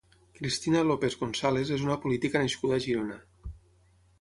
Cristina López González és una política nascuda a Girona.